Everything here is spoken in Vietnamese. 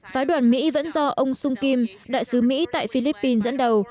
phái đoàn mỹ vẫn do ông sung kim đại sứ mỹ tại philippines dẫn đầu